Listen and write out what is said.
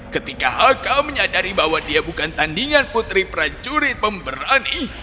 ketika haka menyadari bahwa dia bukan tandingan putri prajurit pemberani